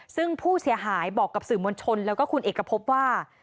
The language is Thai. ซึ่งผู้เสียหายบอกกับสื่อมวลชนแล้วก็คุณเอกพบว่า